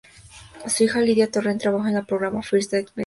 Su hija Lidia Torrent trabaja en el programa First Dates de Mediaset.